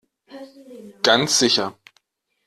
Ganz sicher.